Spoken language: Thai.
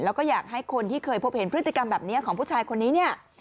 แล้วก็อยากให้คนที่เคยพบเห็นพฤติกรรมแบบนี้ของผู้ชายคนนี้เนี่ย